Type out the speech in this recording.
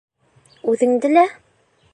Үҙеңде лә?